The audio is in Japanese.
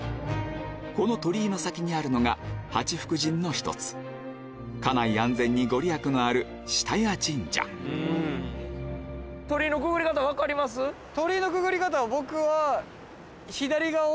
この鳥居の先にあるのが八福神の一つ家内安全に御利益のある下谷神社鳥居のくぐり方は。